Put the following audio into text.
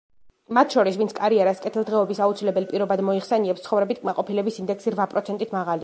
მათ შორის, ვინც კარიერას კეთილდღეობის აუცილებელ პირობად მოიხსენიებს, ცხოვრებით კმაყოფილების ინდექსი რვა პროცენტით მაღალია.